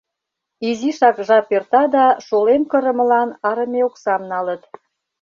Изишак жап эрта да, шолем кырымылан арыме оксам налыт.